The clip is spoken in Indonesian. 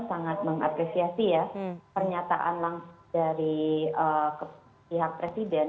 sangat mengapresiasi ya pernyataan langsung dari pihak presiden